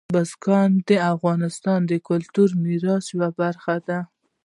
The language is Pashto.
بزګان د افغانستان د کلتوري میراث یوه برخه ده.